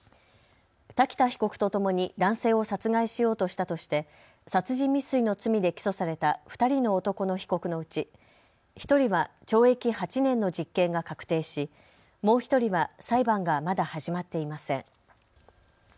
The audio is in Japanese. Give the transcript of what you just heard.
瀧田被告とともに男性を殺害しようとしたとして殺人未遂の罪で起訴された２人の男の被告のうち１人は懲役８年の実刑が確定しもう１人は裁判がまだ始まっていません。